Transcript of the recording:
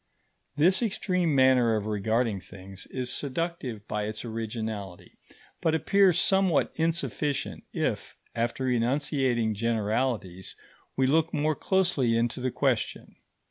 This extreme manner of regarding things is seductive by its originality, but appears somewhat insufficient if, after enunciating generalities, we look more closely into the question.